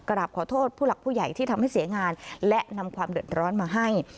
กราบขอโทษผู้หลักผู้ใหญ่ที่ทำให้เสียงานและนำความเดือดร้อนมาให้